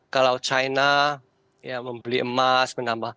kalau china membeli emas